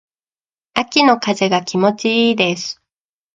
秋の風が気持ち良いです。